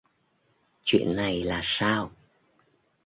Chuyện này là sao